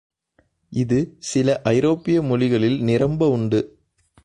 இது சில ஐரோப்பிய மொழிகளில் நிரம்ப உண்டு.